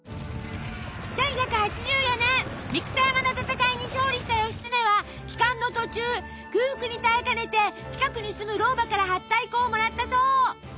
１１８４年三草山の戦いに勝利した義経は帰還の途中空腹に耐えかねて近くに住む老婆からはったい粉をもらったそう。